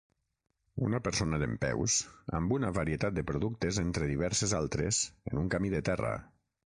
Una persona dempeus, amb una varietat de productes entre diverses altres en un camí de terra